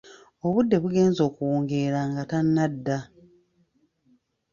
Obudde bugenze okuwungeera nga tannadda.